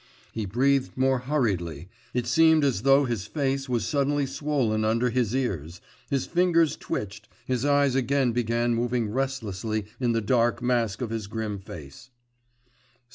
He breathed more hurriedly, it seemed as though his face were suddenly swollen under his ears, his fingers twitched, his eyes again began moving restlessly in the dark mask of his grim face.